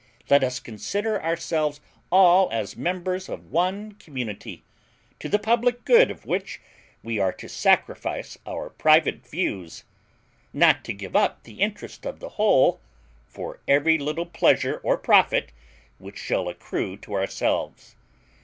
Let us consider ourselves all as members of one community, to the public good of which we are to sacrifice our private views; not to give up the interest of the whole for every little pleasure or profit which shall accrue to ourselves.